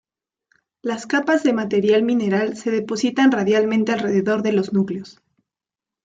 Las capas de material mineral se depositan radialmente alrededor de los núcleos.